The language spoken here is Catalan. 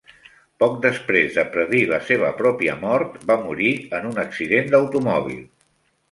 Poc després de predir la seva pròpia mort, va morir en un accident d'automòbil.